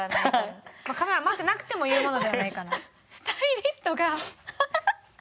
カメラ回ってなくても言うものではないかな。